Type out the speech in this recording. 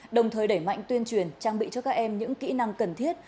đồng thời đẩy mạnh tuyên truyền trang bị cho các em những kỹ năng cần thiết